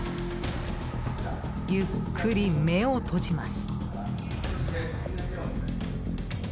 ゆっくり目を閉じます。